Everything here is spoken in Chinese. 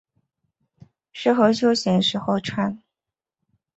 适合休闲时候穿。